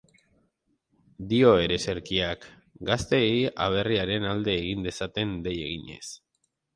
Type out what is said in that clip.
Dio ereserkiak, gazteei aberriaren alde egin dezaten dei eginez.